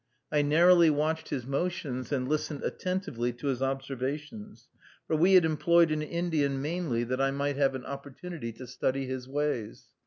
I narrowly watched his motions, and listened attentively to his observations, for we had employed an Indian mainly that I might have an opportunity to study his ways.